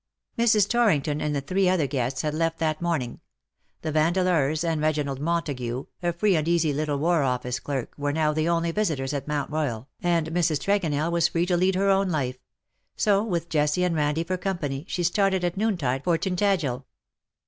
WE DRAW NIGH THEE." 193 Mrs. Torrington and three other guestsliad left that morning; the Vandeleurs^ and Reginald Montagu, a free and easy little war office clerk, were now the only visitors at Mount lloyal, and Mrs. Tregonell Avas free to lead her own life — so with Jessie and Randie for company, slie started at noontide for Tintagel.